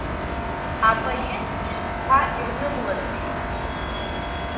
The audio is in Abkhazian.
Апоет ишәҟәқәа ирнымлаӡеит.